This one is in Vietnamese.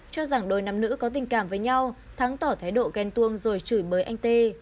cho rằng đôi nàm nữ có tình cảm với nhau thắng tỏ thái độ ghen tuông rồi chửi mới anh t